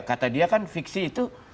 kata dia kan fiksi itu